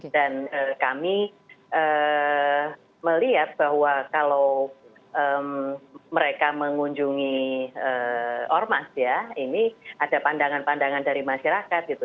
dan kami melihat bahwa kalau mereka mengunjungi ormas ya ini ada pandangan pandangan dari masyarakat gitu